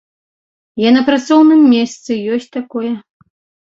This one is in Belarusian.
Я на працоўным месцы, ёсць такое.